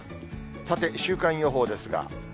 さて、週間予報ですが。